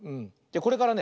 これからね